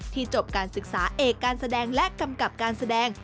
จบการศึกษาเอกการแสดงและกำกับการแสดง